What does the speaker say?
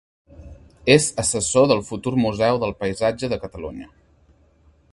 És assessor del futur Museu del Paisatge de Catalunya.